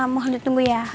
mohon ditunggu ya